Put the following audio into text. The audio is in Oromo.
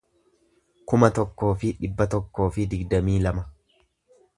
kuma tokkoo fi dhibba tokkoo fi digdamii lama